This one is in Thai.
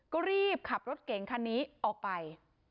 ก็รีบขับรถเก่งคันนี้ออกไป